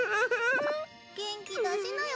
元気だしなよ